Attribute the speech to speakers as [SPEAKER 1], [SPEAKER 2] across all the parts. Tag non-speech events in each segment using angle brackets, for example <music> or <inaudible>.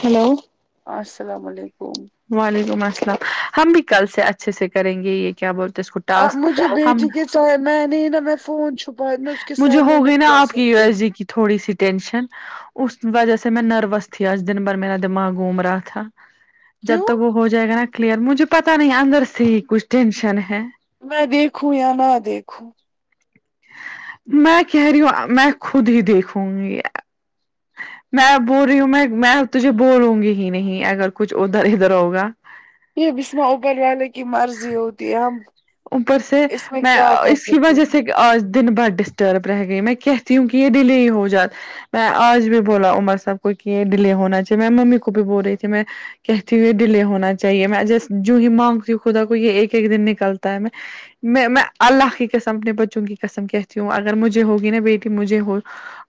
[SPEAKER 1] hello
[SPEAKER 2] السلام و علیکم
[SPEAKER 1] وعلیکم السلام ہم بھی کل سے اچھے سے کریں گے یہ کیا بولتے ہیں اس کو
[SPEAKER 2] آب
[SPEAKER 1] ٹاسک
[SPEAKER 2] مجھے
[SPEAKER 1] ہم
[SPEAKER 2] بھیج کہ سوے میں نے ہی نا میں فون چھپائے میں اس کے
[SPEAKER 1] مجھے
[SPEAKER 2] سامنے
[SPEAKER 1] ہوگئی
[SPEAKER 2] نہیں
[SPEAKER 1] نا
[SPEAKER 2] کر
[SPEAKER 1] آپ کی یہ
[SPEAKER 2] سکتی
[SPEAKER 1] عرضی کی تھوڑی سی ٹینشن اس وجہ سے میں نروس تھی آج دن بھر میرا دماغ گھوم رہا تھا جب
[SPEAKER 2] کیوں
[SPEAKER 1] تک وہ ہو جائے گا نا کلیئر مجھے پتا نہیں اندر سے ہی کچھ ٹینشن ہے
[SPEAKER 2] میں دیکھوں یا نہ دیکھوں
[SPEAKER 1] میں کہہ رہی ہوں میں خود ہی دیکھوں گی میں بول رہی ہوں میں میں تجھے بولوں گی ہی نہیں اگر کچھ ادھر ادھر ہوگا
[SPEAKER 2] یہ بسمہ اوبل والے کی مرضی ہوتی ہم
[SPEAKER 1] اوپر سے
[SPEAKER 2] اس
[SPEAKER 1] میں
[SPEAKER 2] کیا کر
[SPEAKER 1] اس کی
[SPEAKER 2] سکتے
[SPEAKER 1] وجہ سے
[SPEAKER 2] ہیں
[SPEAKER 1] آج دن بھر ڈسٹرب رہ گئی میں کہتی ہوں کی یہ ڈلے ہو جات میں آج بھی بولا عمر سب کو کہ ڈیلے ہونا چاہیے میں ممی کو بھی بول رہی تھی میں کہتی ہوئے ڈیلے ہونا چاہیے میں جو ہی مانگتی ہوں خدا کو یہ ایک ایک دن نکل تا ہیں نا میں میں اللہ کی قسم اپنے بچوں کی قسم کہتی ہوں اگر مجھے ہوگی نا بیٹی مجھے ہو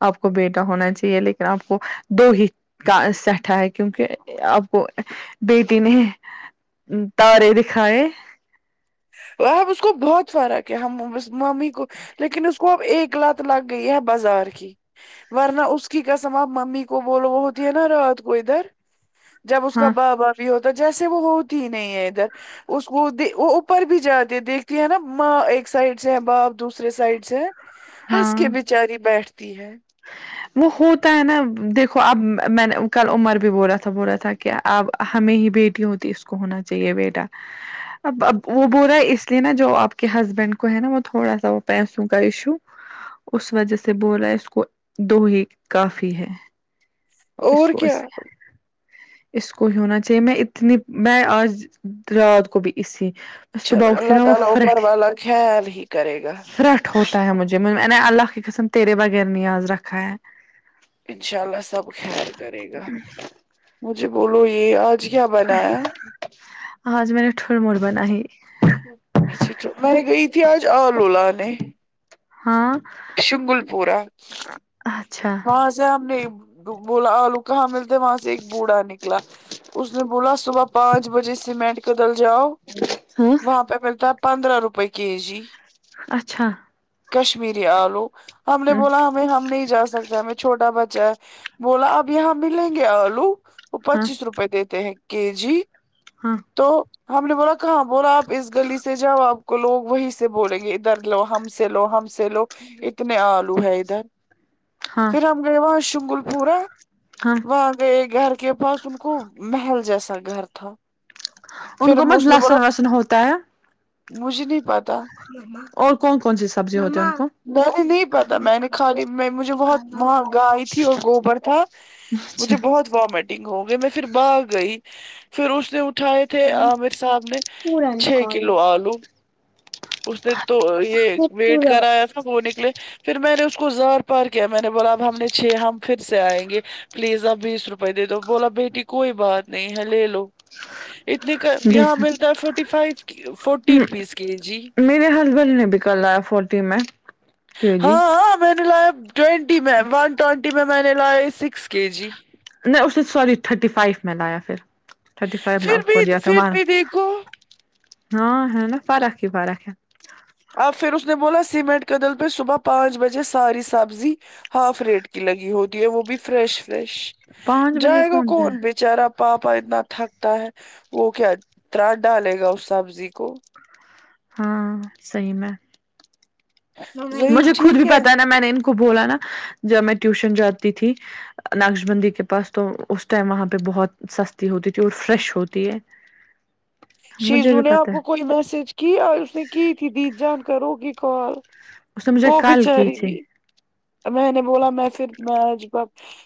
[SPEAKER 1] آپ کو بیٹا ہونا چاہیے لیکن آپ کو دو ہی کا سٹا ہے کیونکہ آپ کو بیٹی نہیں ہے تارے دکھائے
[SPEAKER 2] وہ اب اس کو بہت فرق ہے ہم اس مامی کو لیکن اس کو اب ایک لت لگ گئی ہے بازار کی ورنہ اس کی قسم آپ ممی کو بولو وہ ہوتی ہے نا رات کو ادھر جب اس کا
[SPEAKER 1] ہاں
[SPEAKER 2] بابا بھی ہوتا جیسے وہ ہوتی ہی نہیں ہے ادھر اس کو وہ بھی جاتی دیکھتی ہے نا ماں ایک سائڈ سے ہے باپ دوسرے سائڈ سے ہے ہنس
[SPEAKER 1] ہاں
[SPEAKER 2] کے بچ اری بیٹھتی ہے
[SPEAKER 1] وہ ہوتا ہے نا دیکھو اب میں نے کل عمر بھی بولا تھا بولا تھا کیا اب ہمیں ہی بیٹی ہو تو اس کو ہونا چاہیے بیٹا اب اب وہ بول رہا ہے اس لیے نا جو آپ کے ہسبینڈ کو ہے نا وہ تھوڑا سا وہ پیسوں کا ایشو اس وجہ سے بول اس کو دو ہی کافی ہے اس
[SPEAKER 2] اور
[SPEAKER 1] کو اس
[SPEAKER 2] کیا
[SPEAKER 1] اس کو ہی ہونا چاہیے میں اتنی میں آج رات کو بھی اسی صبح
[SPEAKER 2] چلو
[SPEAKER 1] اٹھ کے
[SPEAKER 2] اللہ
[SPEAKER 1] نا وہ
[SPEAKER 2] تعالی اوپر
[SPEAKER 1] فرٹ
[SPEAKER 2] والا خیال ہی کرے گا
[SPEAKER 1] فرٹ ہوتا ہے مجھے میں نے اللہ کی قسم تیرے بغیر نیاز رکھا ہے
[SPEAKER 2] انشاء اللہ سب خیر کرے گا مجھے بولو یہ آج کیا بنایا
[SPEAKER 1] آج میں نے ٹول مور بنائی ہیں
[SPEAKER 2] اچھا توٹ میں گئی تھی آج آلو لانے
[SPEAKER 1] ہاں
[SPEAKER 2] شنگل پورہ ہے
[SPEAKER 1] اچھا
[SPEAKER 2] جے ہم نے بولا آلو کہاں ملتے وہاں سے ایک بوڑھا نکلا اس نے بولا صبح پانچ بجے سیمنٹ کے دل جاؤ
[SPEAKER 1] ہاں
[SPEAKER 2] وہاں پہ ملتا پندرہ روپے کے جی
[SPEAKER 1] اچھا
[SPEAKER 2] کشمیری آ لو ہم نے بولا ہمیں ہم نہیں جا سک ہمیں چھوٹا بچہ ہے بولا اب یہاں بھی لیں گے آلو وہ
[SPEAKER 1] ہاں
[SPEAKER 2] پچیس روپے دیتے ہیں کے جی
[SPEAKER 1] ہاں
[SPEAKER 2] تو ہم نے بولا کہاں بولا آپ اس گلی سے جاؤ آپ کو لوگ وہی سے بولیں گے ادھر لو ہم سے لو ہم سے لو اتنے آلو ہے ادھر
[SPEAKER 1] ہاں
[SPEAKER 2] پھر ہم گئے وہاں شنگل پورا
[SPEAKER 1] ہاں
[SPEAKER 2] وہاں گ گھر کے پاس ان کو محل جیسا گھر تھا
[SPEAKER 1] ان
[SPEAKER 2] پھر
[SPEAKER 1] کو مت
[SPEAKER 2] اس نے بولا
[SPEAKER 1] لہسن وسن ہوتا ہے
[SPEAKER 2] مجھے نہیں پات تا
[SPEAKER 1] اور کون کون سی سبزی ہوتی ہے ان کو
[SPEAKER 2] میں نہیں پتا میں نے خالی میں مجھے بہت وہاں گائے تھی اور گوبر تھا
[SPEAKER 1] اچھا
[SPEAKER 2] مجھے ب بہت وامٹنگ ہو گئی میں پھر باغ گئی پھر اس نے اٹھائے تھے عامر صاحب نے
[SPEAKER 1] پورا
[SPEAKER 2] چھ
[SPEAKER 1] نکالو
[SPEAKER 2] کلو آلو اس نے تو یہ ویٹ کرایا تھا وہ نکلے پھر میں نے اس کو ز پار کیا میں نے بولا اب ہم نے چھ ہم پھر سے آئیں گے پلیز آپ بیس روپئے دے دو بولا بیٹی کوئی بات نہیں ہے لے لو اتنے کا یہاں
[SPEAKER 1] دیکھا
[SPEAKER 2] ملتا ہے forty five forty rupees K G
[SPEAKER 1] میرے ہسبینڈ نے بھی کر لایا فورٹی میں کے جی
[SPEAKER 2] ہاں ہاں میں نے لایا ٹوینٹی میں ون ٹوینٹی میں میں نے لاائے سکس کے جی
[SPEAKER 1] نہیں اس نے سوری تھرٹی فائیو میں لایا پھر تھرٹی فائیو مہن
[SPEAKER 2] پھر بھی پھر
[SPEAKER 1] تھاار
[SPEAKER 2] بھی دیکھو
[SPEAKER 1] ہاں ہے نا فرق ہی فرق ہے
[SPEAKER 2] اب پھر اس نے بولا سیمنٹ کدل پہ صبح پانچ بجے ساری سبزی ہاف ریٹ کی لگی ہوتی ہے وہ بھی فریش فریش جائے گا کون بیچ بچارا پاپا اتنا تھکتا ہے وہ کیا طر ڈالے گا اس سبزی کو
[SPEAKER 1] ہاں صحیح میں
[SPEAKER 2] ظہیم
[SPEAKER 1] مجھے خود
[SPEAKER 2] ٹھیک
[SPEAKER 1] بھی پتاہ ہے نا میں نے ان کو بولا نا جب میں ٹیوشن جاتی تھی نقش بندی کے پاس تو اس ٹائم وہاں پہ بہت سستی ہوتی تھی اور فریش ہوتی ہے مجھے
[SPEAKER 2] شیزو
[SPEAKER 1] بھی
[SPEAKER 2] نے آپ
[SPEAKER 1] پتا ہے
[SPEAKER 2] کو کوئی میسج کی اس نے کی تھی دی جان کروگی کال
[SPEAKER 1] اس نے مجھے
[SPEAKER 2] وہ
[SPEAKER 1] کال کی
[SPEAKER 2] بچاری
[SPEAKER 1] تھی
[SPEAKER 2] بھی میں نے بولا میں پھر میںج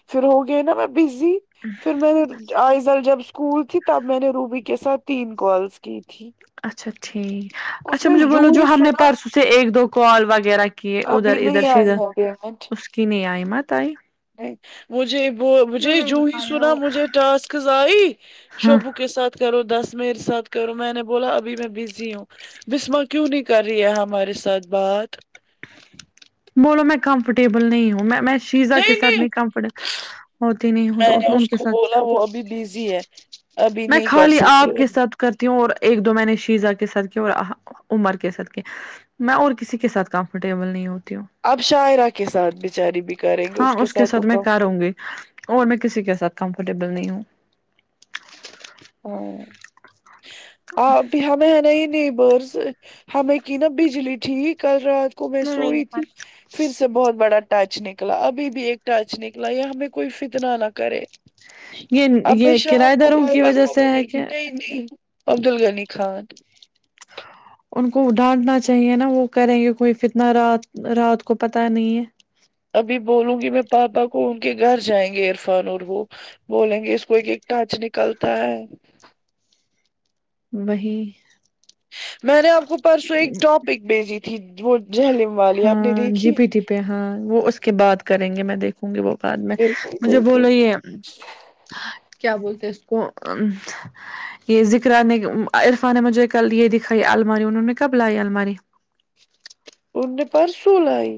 [SPEAKER 2] پھر ہو گئے نا میں بزی پھر میں نے آئزل جب اسکول تھی تب میں نے روبی کے ساتھ تین کالس کی تھی
[SPEAKER 1] اچھا ٹھیک
[SPEAKER 2] اس
[SPEAKER 1] اچھا
[SPEAKER 2] نے
[SPEAKER 1] مجھے بولو جو
[SPEAKER 2] ہی
[SPEAKER 1] ہم نے
[SPEAKER 2] سنا
[SPEAKER 1] پرسوں سے ایک دو کال وغیرہ کہ ادھر
[SPEAKER 2] ابھی
[SPEAKER 1] ادھر
[SPEAKER 2] نہیں
[SPEAKER 1] سے
[SPEAKER 2] آئی
[SPEAKER 1] ادھر
[SPEAKER 2] ہے پیمنٹ
[SPEAKER 1] اس کی ن آئیمت آئی
[SPEAKER 2] نہیں مجھے مجھے جو ہی سنا مجھے ٹاسکز آئی
[SPEAKER 1] ہاں
[SPEAKER 2] شب کے ساتھ کرو دس منٹ ساتھ کرو میں نے بولا ابھی میں بزی ہوں بسما کیوں نہیں کر رہی ہے ہمارے ساتھ بات
[SPEAKER 1] بولو میں کمفرٹیبل نہیں ہوں میں میں شیزا کے ساتھ نہیں کمفرٹبل ہوتی نہیں ہو تو
[SPEAKER 2] میں نے
[SPEAKER 1] ان
[SPEAKER 2] اس
[SPEAKER 1] کے
[SPEAKER 2] کو
[SPEAKER 1] ساتھ
[SPEAKER 2] بولا وہ ابھی بیس جی ہے ابھی
[SPEAKER 1] میں
[SPEAKER 2] نہیں کر
[SPEAKER 1] خالی آپ کے
[SPEAKER 2] سکتے
[SPEAKER 1] ساتھ کرتی ہوں اور ایک دو میں نے شیزا کے ساتھ کیا اور عمر کے ساتھ کیا میں اور کسی کے ساتھ کمفرٹیبل نہیں ہوتی ہوں
[SPEAKER 2] اب شاعرہ کے ساتھ بچاری بھی کریں گے
[SPEAKER 1] ہاں اس کے
[SPEAKER 2] تو
[SPEAKER 1] ساتھ میں
[SPEAKER 2] کم
[SPEAKER 1] کر ہوں گی اور میں کسی کے ساتھ کمفرٹیبل نہیں ہوں
[SPEAKER 2] ہوں اپ ہی ہم میں ن ہی نہیں برس ہمیں کی نا بجلی تھی کل رات اس کو میں سوئی تھی پھر سے بہت بڑا ٹچ نکلا ابھی بھی ایک ٹچ نکلا یا ہمیں کوئی فتنا نہ کرے
[SPEAKER 1] یہ
[SPEAKER 2] اب میں
[SPEAKER 1] یہ کرایہ داروں کی وجہ سے ہے کیا
[SPEAKER 2] عبدال غنی خان
[SPEAKER 1] ان کو ڈانٹنا چاہیے نا وہ کریں گے کوئی فتنا رات رات کو پتہ نہیں ہے
[SPEAKER 2] ابھی بولوں گی میں پاپا کو ان کے گھر جائیں گے عرفان اور وہ بولیں گے اس کو ایک ایک ٹچ نکلتا ہے
[SPEAKER 1] وہی
[SPEAKER 2] میں نے آپ کو پرسوں ایک ٹاپک بھیجی تھی وہ جہلم والی آپ نے
[SPEAKER 1] ہاں جی
[SPEAKER 2] دیکھی
[SPEAKER 1] پی ٹی پہ ہاں وہ اس کے بعد کریں گے میں دیکھوں گی وہ بعد میں
[SPEAKER 2] بالکل
[SPEAKER 1] مجھے
[SPEAKER 2] بالکل
[SPEAKER 1] بولو یہ کیا بولتے ہیں اس کو ام یہ ذکرا نے عرفان نے مجھے کل یہ دکھائی الماری انہوں نے کب لائی الماری
[SPEAKER 2] ان نے پرسوں لائی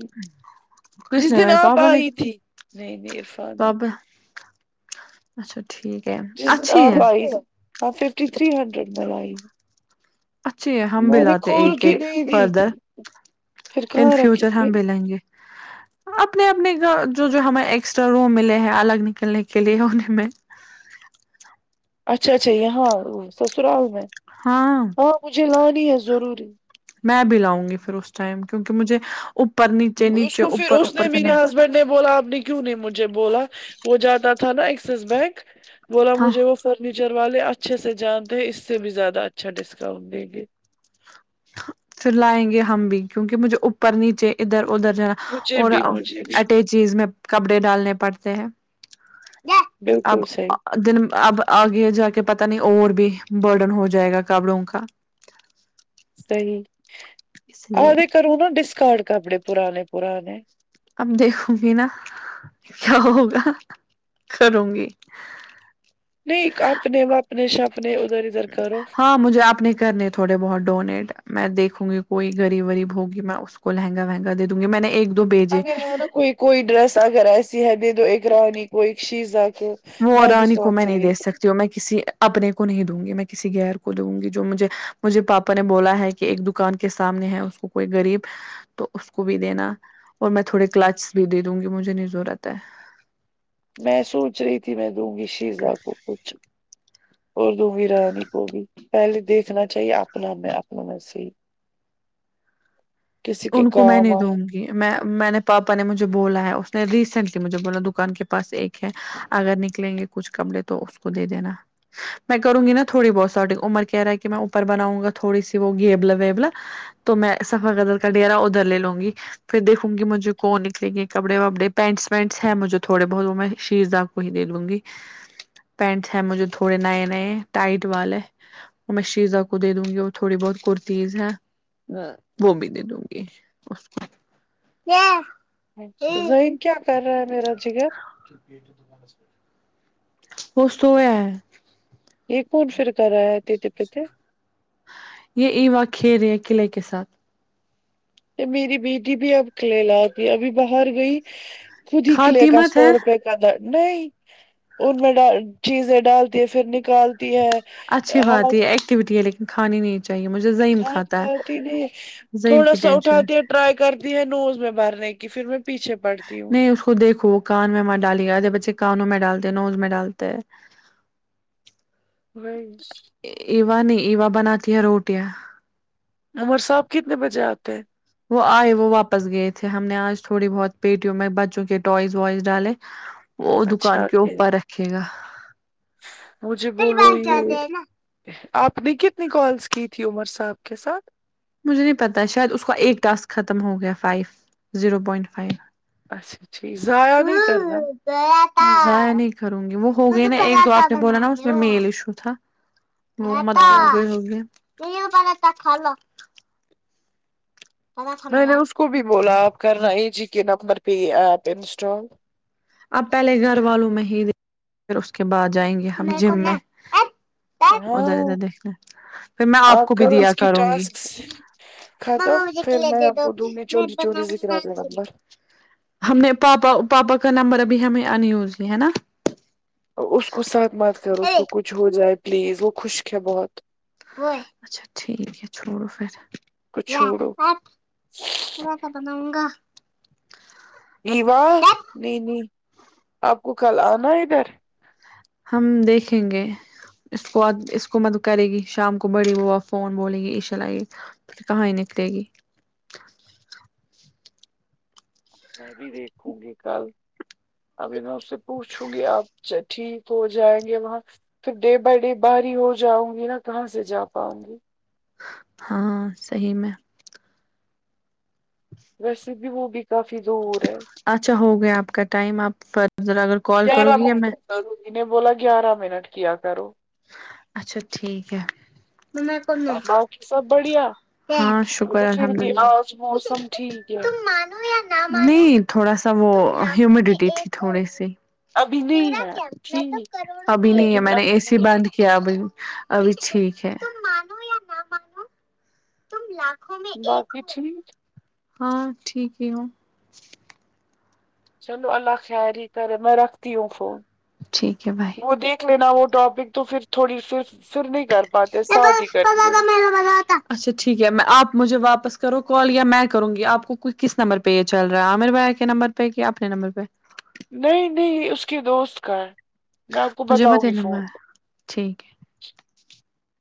[SPEAKER 1] کس
[SPEAKER 2] جس
[SPEAKER 1] نے
[SPEAKER 2] دن
[SPEAKER 1] لائی
[SPEAKER 2] آپ
[SPEAKER 1] پاپا نے
[SPEAKER 2] آئی تھی نہیں نہیں عرفان ہے
[SPEAKER 1] پاپا اچھا ٹھیک ہے
[SPEAKER 2] ج
[SPEAKER 1] اچھی
[SPEAKER 2] آپ
[SPEAKER 1] ہے
[SPEAKER 2] آئی ہاں ففٹی تھری ہنڈریڈ میں لائی
[SPEAKER 1] اچھی ہے ہم بھی
[SPEAKER 2] میں نے
[SPEAKER 1] لاتے
[SPEAKER 2] کھول
[SPEAKER 1] ایک
[SPEAKER 2] کے
[SPEAKER 1] ایک
[SPEAKER 2] نہیں دی
[SPEAKER 1] فردر
[SPEAKER 2] تھی پھر
[SPEAKER 1] ان
[SPEAKER 2] کہاں رکھیں
[SPEAKER 1] فیوچر
[SPEAKER 2] گے
[SPEAKER 1] ہم بھی لیں اپنے اپنے کا جو جو ہماریں ایکسٹرا روم ملے ہیں الگ نکلنے کے لیے ان میں
[SPEAKER 2] اچھا اچھا یہاں سسرال میں
[SPEAKER 1] ہاں
[SPEAKER 2] ہاں مجھے لانی ہے ضروری
[SPEAKER 1] میں بھی لاؤں گی پھر اس ٹائم کیونکہ مجھے اوپر نیچے
[SPEAKER 2] اس
[SPEAKER 1] نیچے
[SPEAKER 2] کو پھر
[SPEAKER 1] اوپر
[SPEAKER 2] اس نے
[SPEAKER 1] اوپر
[SPEAKER 2] میرے
[SPEAKER 1] کیانا
[SPEAKER 2] ہسبینڈ نے بولا آپ نے کیوں نہیں مجھے بولا وہ جاتا تھا نا ایکسس بینک بولا
[SPEAKER 1] ہاں
[SPEAKER 2] مجھے وہ فرنیچر والے اچھے سے جانتے ہیں اس سے بھی زیادہ اچھا ڈسکاؤنٹ دیں گے
[SPEAKER 1] پھر لائیں گے ہم بھی کیونکہ مجھے اوپر نیچے ادھر ادھر جا
[SPEAKER 2] مجھے
[SPEAKER 1] اور
[SPEAKER 2] بھی
[SPEAKER 1] ا
[SPEAKER 2] مجھے بھی
[SPEAKER 1] اٹیچیز میں کپڑے ڈالنے پڑتے ہیں
[SPEAKER 2] بالکل
[SPEAKER 1] اب
[SPEAKER 2] صحیح
[SPEAKER 1] دن اب آگے جا کے پتا نہیں اور بھی برڈن ہو جائے گا کبڑوں کا
[SPEAKER 2] صحیح
[SPEAKER 1] اس لیے
[SPEAKER 2] آگے کروں نہا ڈسکارڈ کپڑے پرانے پرانے
[SPEAKER 1] اب دیکھوں گی نا کیا ہوگا کروں گی
[SPEAKER 2] نہیں اپنے و اپنے شھاپنے ادھر ادھر کرو
[SPEAKER 1] ہاں مجھے آپ نے کرنے تھوڑے بہت ڈونیٹ میں دیکھوں گی کوئی غریب وریب ہوگی میں اس کو لہنگا وہنگا دے دوں گی میں نے ایک دو بھیجے
[SPEAKER 2] اگر ہے نا کوئی کوئی ڈرس اگر ایسی ہے دے دو ایک رانی کوئی شیزہ
[SPEAKER 1] وہاں رانی کو میں نہیں دے سکتی ہوں میں کسی اپنے کو نہیں دوں گی میں کسی غیر کو دوں گی جو مجھے مجھے پاپا نے بولا ہے کہ ایک دکان کے سامنے ہے کوئی غریب تو اس کو بھی دینا اور میں تھوڑے کلاچس بھی دے دوں گی مجھے نہیں ضرورت ہے
[SPEAKER 2] میں سوچ رہی تھی میں دوں گی شیزا کو کچھ اور دوں گی رانی کو بھی پہلے دیکھنا چاہیے اپنا میں اپنا میں سے ہی کسی کے
[SPEAKER 1] ان کو میں
[SPEAKER 2] کام
[SPEAKER 1] نے دوں گی جی میں میں نے پاپا نے مجھے بولا ہے اس نے ریسینٹلی مجھے بولا دکان کے پاس ایک ہے اگر نکلیں گے کچھ کپڑے تو اس کو دے دینا میں کروں گی نا تھوڑی بہت ساٹنگ عمر کہہ رہا ہے کہ میں اوپر بناؤں گا تھوڑی سی وہ گیبلا ویبلا تو میں سفا قدر کا ڈھیرا ادھر لے لوں گی پھر دیکھوں گی مجھے کون نکلیں گے کپڑے وپڑے پینٹس وینٹس ہیں مجھے تھوڑے بہت وہ میں شیزا وہی دے دوں گی پینٹ ہے مجھے تھوڑے نئے نئے ٹائٹ والے اور میں شیزا کو دے دوں گی اور تھوڑی بہت کرتیز ہے وہ بھی دوں گی اس کو
[SPEAKER 2] ظہیر کیا کر رہا ہے میرا جگر
[SPEAKER 1] <inaudible> وہ سویہ ہے
[SPEAKER 2] یہ کون فر کر رہا ہے دیا تھے پتے
[SPEAKER 1] یہ امن کیریا قلے کے ساتھ
[SPEAKER 2] میری بیٹی بھی اب کلے اے آتی ابھی باہر گئی خود ہی کلے
[SPEAKER 1] کھاتی
[SPEAKER 2] کا
[SPEAKER 1] مت
[SPEAKER 2] سو
[SPEAKER 1] ہے
[SPEAKER 2] روپے نہیں ان میں چیزیں ڈالتی ہے پھر نکال
[SPEAKER 1] اچھی بات یہ ایکٹیوٹی ہے لیکن کھانی نہیں چاہیے مجھے زعیم
[SPEAKER 2] گھاس
[SPEAKER 1] کھاتا ہے
[SPEAKER 2] کھاتی نہیں
[SPEAKER 1] زعیم
[SPEAKER 2] تھوڑا
[SPEAKER 1] کی
[SPEAKER 2] سا
[SPEAKER 1] ٹینشن
[SPEAKER 2] اٹتھاتی ٹرائی کرتی ہے نوز میں بھرنے کی پھر میں پیچھے پڑتی ہوں
[SPEAKER 1] نہیں اس کو دیکھو کان میں ماں ڈالی گدے بچے کانوں میں ڈالتے ہیں نوز میں ڈالتے
[SPEAKER 2] وز
[SPEAKER 1] ایوا نے ایوا بناتی ہے روٹیاں
[SPEAKER 2] عمر صاحب کتنے بجے آتے ہیں
[SPEAKER 1] وہ آئے وہ واپس گئے تھے ہم نے آج تھوڑی بہت پیٹیوں میں بچوں کے ٹوائز وائز ڈالے
[SPEAKER 2] <inaudible>
[SPEAKER 1] وہ دکان
[SPEAKER 2] اچھا
[SPEAKER 1] کے
[SPEAKER 2] پھر
[SPEAKER 1] اوپر رکھے گا
[SPEAKER 2] مجھے
[SPEAKER 1] پھر
[SPEAKER 2] بولو
[SPEAKER 1] بھاگ
[SPEAKER 2] یہ
[SPEAKER 1] جاتے ہیں نا
[SPEAKER 2] آپ نے کتنی کالس کی تھی عمر صاحب کے ساتھ
[SPEAKER 1] مجھے نہیں پتا شاید اس کا ایک ٹسک ختم ہو گیا فائیو زیرو پوائنٹ فائیو
[SPEAKER 2] اچھا اچھا ضائع نہیں کرنا
[SPEAKER 1] ضائع نہیں کروں گی وہ ہو گئی نا ایک دو آپ نے بولا نا اس میں میل ایشو تھا
[SPEAKER 2] ہاں
[SPEAKER 1] <unintelligible> پتا تھا
[SPEAKER 2] میں نے
[SPEAKER 1] میرا
[SPEAKER 2] اس کو بھی بولا آپ کر رہے ہی جی کے نمبر پہ یہ ایپ انسٹال
[SPEAKER 1] اب پہلے گھر والوں میں ہی دئینگے اس کے بعد جائیں گے ہم گھم میں ادھر
[SPEAKER 2] ہاں
[SPEAKER 1] ادھر دیکھنا پھر میں آپ کو بھی
[SPEAKER 2] کرو
[SPEAKER 1] دیا
[SPEAKER 2] اس کی
[SPEAKER 1] کروں گی
[SPEAKER 2] ٹاسکس
[SPEAKER 1] مما
[SPEAKER 2] ختم
[SPEAKER 1] مجھے
[SPEAKER 2] پھر میں
[SPEAKER 1] کھلونے
[SPEAKER 2] آپ
[SPEAKER 1] دو
[SPEAKER 2] کو دوں گی
[SPEAKER 1] میں
[SPEAKER 2] چوری
[SPEAKER 1] بند
[SPEAKER 2] چوری ذکر آپ کا نمبر
[SPEAKER 1] ہم نے پاپا پاپا کا نمبر ابھی ہمیں انصلےہے نہ
[SPEAKER 2] اس کو ساتھ مات کرو اس کو کچھ ہو جائے پلیز وہ خشک ہے بہت
[SPEAKER 1] اچھا ٹھیک ہے چھوڑو پھر
[SPEAKER 2] کچھ چھوڑو
[SPEAKER 1] ہوا ختم ہوں گیا
[SPEAKER 2] ای واہ نہیں نہیں آپ کو کل آنا ادھر
[SPEAKER 1] ہم دیکھیں گے اس کو اس کو مت کرے گی شام کو بڑی وہ فون بولیں گی ایشاء الائی کہاں ہی نکلے گی
[SPEAKER 2] میں بھی دیکھوں گی کل ابھی میں اس سے پوچھوں گی آپ ٹھیک ہو جائیں گے وہاں پھر ڈے بائی ڈے باہاری ہو جاؤں گی نا کہاں سے جا پاؤں گی
[SPEAKER 1] ہا صحیح میں
[SPEAKER 2] ویسے بھی وہ بھی کافی دور ہے
[SPEAKER 1] اچھا ہو گیا آپ کا ٹائم آپ فرر اگر کال کرو
[SPEAKER 2] گیارہ
[SPEAKER 1] گی یا
[SPEAKER 2] منٹ
[SPEAKER 1] میں
[SPEAKER 2] میں نے بولا گیارہ منٹ کیا کرو
[SPEAKER 1] اچھا ٹھیک ہے مطلب آپن
[SPEAKER 2] باقی سب بڑھیا
[SPEAKER 1] ہاں شکر
[SPEAKER 2] پھر
[SPEAKER 1] الحمد
[SPEAKER 2] بھی
[SPEAKER 1] اللہ
[SPEAKER 2] آج موسم ٹھیک ہے
[SPEAKER 1] تم مانو نہیں تھوڑا سا وہ ہیومیڈیٹی تھی تھوڑی سی
[SPEAKER 2] ابھی نہیں
[SPEAKER 1] میرا
[SPEAKER 2] ہے
[SPEAKER 1] کیا
[SPEAKER 2] تھی
[SPEAKER 1] میں تو کرو ابھی نہیں
[SPEAKER 2] لیکن
[SPEAKER 1] میں نے
[SPEAKER 2] ابھی
[SPEAKER 1] اے سی
[SPEAKER 2] نہیں
[SPEAKER 1] بند کیا ابھی ابھی ٹھیک ہے مانو یا نہ مانو تم لاکھوں میں ایک
[SPEAKER 2] باقی
[SPEAKER 1] ہو
[SPEAKER 2] ٹھیک
[SPEAKER 1] ہاں ٹھیک ہی ہوں
[SPEAKER 2] چلو اللہ خیاری ہی کرے میں رکھتی ہوں فون
[SPEAKER 1] ٹھیک ہے بائے
[SPEAKER 2] وہ دیکھ لینا وہ ٹاپک تو پھر تھوڑی سی سر نہیں کر پاتے ساتھ ہی کریں گے
[SPEAKER 1] <unintelligible> اچھا ٹھیک ہے میں آپ مجھے واپس کرو کال یا میں کروں گی آپ کو کس نمبر پہ یہ چل رہا ہے عامر بھیا کے نمبر پے کیا اپنے نمبر پہ
[SPEAKER 2] نہیں نہیں اس کے دوست کا ہے میں آپ کو
[SPEAKER 1] مجھے مت
[SPEAKER 2] بتاؤں گی
[SPEAKER 1] نب
[SPEAKER 2] فون
[SPEAKER 1] ہے ٹھیک ہے